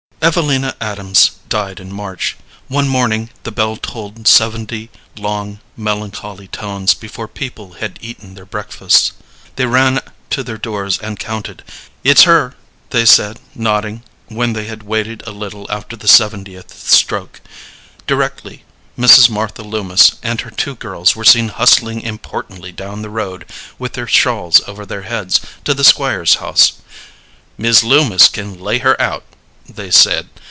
Evelina Adams died in March. One morning the bell tolled seventy long melancholy tones before people had eaten their breakfasts. They ran to their doors and counted. "It's her," they said, nodding, when they had waited a little after the seventieth stroke. Directly Mrs. Martha Loomis and her two girls were seen hustling importantly down the road, with their shawls over their heads, to the Squire's house. "Mis' Loomis can lay her out," they said.